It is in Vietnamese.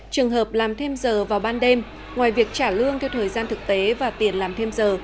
trường hợp làm thêm giờ vào ban đêm ngoài việc trả lương theo thời gian thực tế và tiền làm thêm giờ